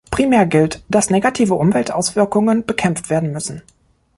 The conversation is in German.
Primär gilt, dass negative Umweltauswirkungen bekämpft werden müssen.